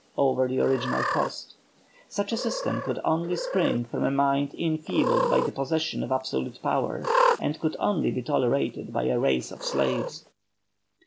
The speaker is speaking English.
over the original cost. Such a system could only spring from a mind enfeebled by the possession of absolute power, and could only be tolerated by a race of slaves.